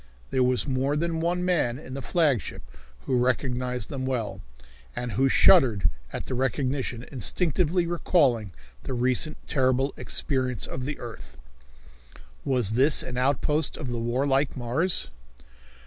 There was more than one man in the flagship who recognized them well, and who shuddered at the recognition, instinctively recalling the recent terrible experience of the earth. Was this an outpost of the warlike Mars?